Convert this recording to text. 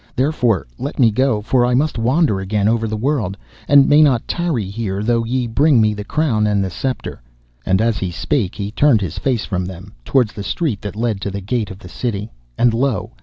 Therefore, let me go, for I must wander again over the world, and may not tarry here, though ye bring me the crown and the sceptre.' And as he spake he turned his face from them towards the street that led to the gate of the city, and lo!